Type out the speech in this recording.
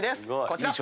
こちら！